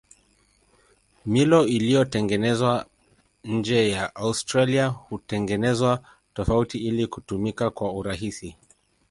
Milo iliyotengenezwa nje ya Australia hutengenezwa tofauti ili kutumika kwa urahisi.